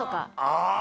あぁ。